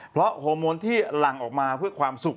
เพราะโฮโมนที่หลั่งออกมาเพื่อความสุข